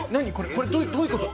これどっどういうこと？